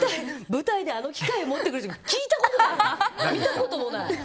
舞台であの機械持ってくる人聞いたことない！